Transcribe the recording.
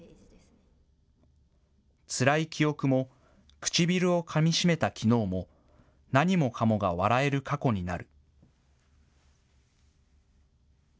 つらい記憶も唇をかみしめたきのうも何もかもが笑える過去になる。